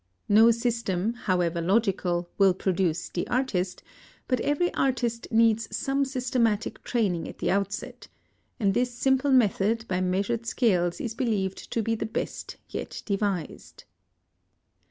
No system, however logical, will produce the artist, but every artist needs some systematic training at the outset, and this simple method by measured scales is believed to be the best yet devised.